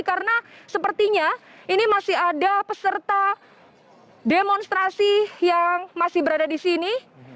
karena sepertinya ini masih ada peserta demonstrasi yang masih berada di sini